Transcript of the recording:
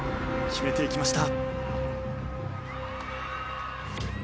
決めていきました！